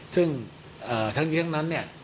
ซึ่งทั้งนี้ทั้งนั้น